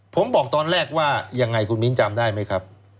ผมบอกตอนแรกว่ายังไงคุณมิ้นจำได้ไหมครับ